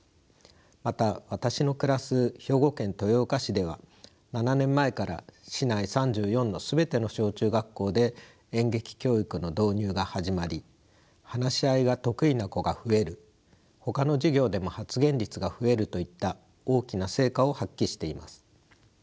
また私の暮らす兵庫県豊岡市では７年前から市内３４の全ての小中学校で演劇教育の導入が始まり話し合いが得意な子が増えるほかの授業でも発言率が増えるといった大きな成果を発揮しています。